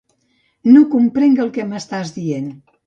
No comprenc el que m'estàs dient.